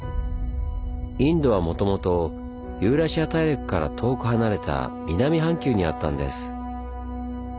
インドはもともとユーラシア大陸から遠く離れた南半球にあったんです。